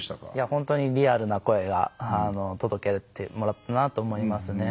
本当にリアルな声が届けてもらったなと思いますね。